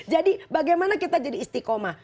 jadi bagaimana kita jadi istikomah